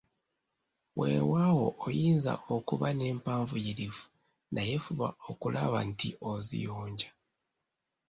Weewaawo oyinza okuba nempanvuyirivu naye fuba okulaba nti oziyonja